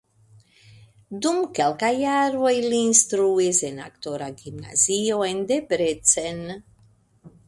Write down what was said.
Dum kelkaj jaroj li instruis en aktora gimnazio en Debrecen.